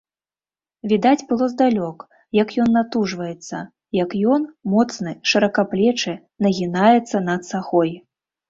Відаць было здалёк, як ён натужваецца, як ён, моцны, шыракаплечы, нагінаецца над сахой.